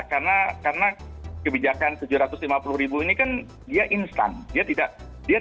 karena kebijakan tujuh ratus lima puluh ribu ini kan dia instansi